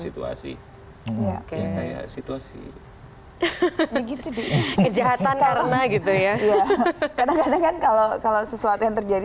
situasi kayak situasi kejahatan karena gitu ya kadang kadang kalau kalau sesuatu yang terjadi